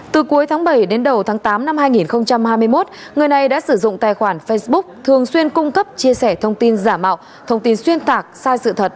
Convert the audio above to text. từ cuối tháng bảy đến đầu tháng tám năm hai nghìn hai mươi một người này đã sử dụng tài khoản facebook thường xuyên cung cấp chia sẻ thông tin giả mạo thông tin xuyên tạc sai sự thật